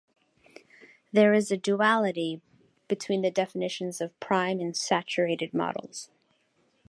There is a duality between the definitions of prime and saturated models.